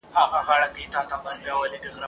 چی کلونه مو کول پکښي قولونه !.